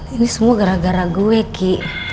ini semua gara gara gue ki